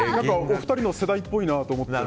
お二人の世代っぽいなと思って。